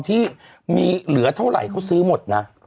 ที่มีเหลือเท่าไหร่เขาซื้อหมดนะ